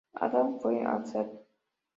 Adam fue a St.